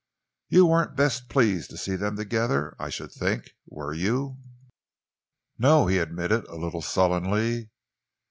"You weren't best pleased to see them together, I should think, were you?" "No," he admitted, a little sullenly.